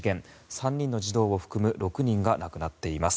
３人の児童を含む６人が亡くなっています。